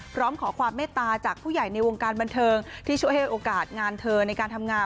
พร้อมขอความเมตตาจากผู้ใหญ่ในวงการบันเทิงที่ช่วยให้โอกาสงานเธอในการทำงาน